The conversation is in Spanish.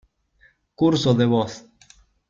Curso de voz.